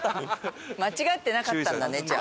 間違ってなかったんだねじゃあ。